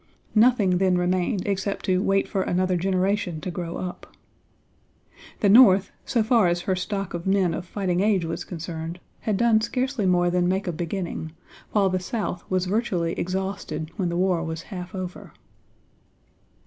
Nothing then remained except to "wait for another generation to grow up." The North, so far as her stock of men of fighting age was concerned, had done scarcely more than make a beginning, while the South was virtually exhausted when the war was half over.